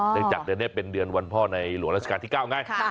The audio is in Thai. จากเดือนนี้เป็นเดือนวันพ่อในหลวงราชการที่๙ไง